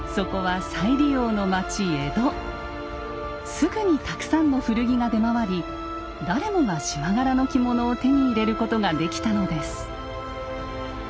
すぐにたくさんの古着が出回り誰もが縞柄の着物を手に入れることができたのです。